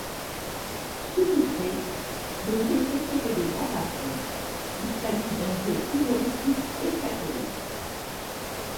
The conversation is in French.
Sous-titré “le jeu préféré des grands patrons”, il s’agit d’un jeu humoristique et satirique.